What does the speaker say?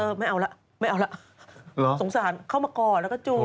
เหรอยอปุ๊กวินไปหรอกสงสารเข้ามาก่อแล้วก็จูบ